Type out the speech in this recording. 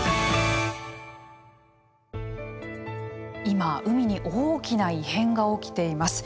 今海に大きな異変が起きています。